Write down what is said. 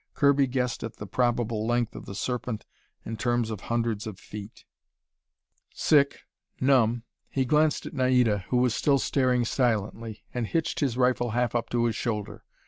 Kirby guessed at the probable length of the Serpent in terms of hundreds of feet. Sick, numb, he glanced at Naida, who was still staring silently, and hitched his rifle half up to his shoulder.